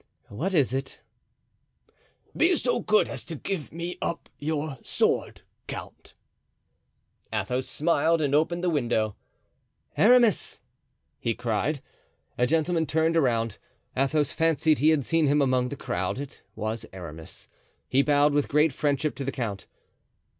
"What is it?" "Be so good as to give me up your sword, count." Athos smiled and opened the window. "Aramis!" he cried. A gentleman turned around. Athos fancied he had seen him among the crowd. It was Aramis. He bowed with great friendship to the count.